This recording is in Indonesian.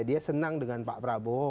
dia senang dengan pak prabowo